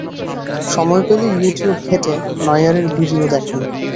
সময় পেলেই ইউটিউব ঘেঁটে নয়্যারের ভিডিও দেখেন।